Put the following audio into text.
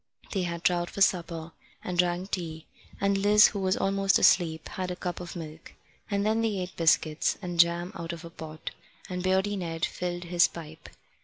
They had trout for supper, and drank tea, and Liz, who was almost asleep, had a cup of milk; and then they ate biscuits, and jam out of a pot, and Beardy Ned filled his pipe.